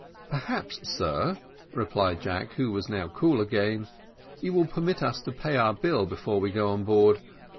"Perhaps, sir," replied Jack, who was now cool again, "you will permit us to pay our bill before we go on board.